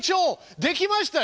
できましたよ